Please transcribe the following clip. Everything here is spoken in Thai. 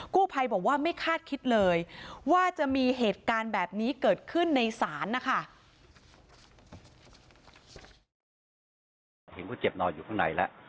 ภัยบอกว่าไม่คาดคิดเลยว่าจะมีเหตุการณ์แบบนี้เกิดขึ้นในศาลนะคะ